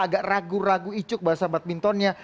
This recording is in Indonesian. agak ragu ragu icuk bahasa badmintonnya